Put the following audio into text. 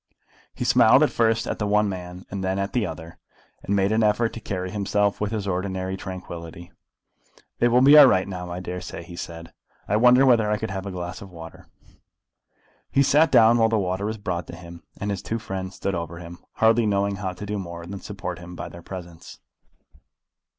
He smiled first at the one man and then at the other, and made an effort to carry himself with his ordinary tranquillity. "It will be all right now, I dare say," he said. "I wonder whether I could have a glass of water." He sat down while the water was brought to him, and his two friends stood over him, hardly knowing how to do more than support him by their presence.